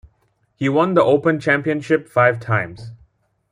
He won The Open Championship five times.